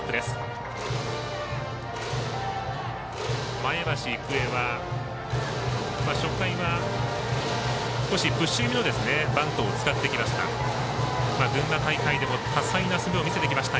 前橋育英は初回は、少しプッシュ気味のバントを使ってきました。